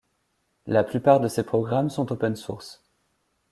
La plupart de ces programmes sont open-source.